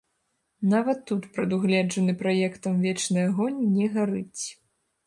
Нават тут прадугледжаны праектам вечны агонь не гарыць.